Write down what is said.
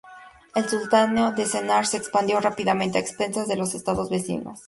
El sultanato de Sennar se expandió rápidamente a expensas de los estados vecinos.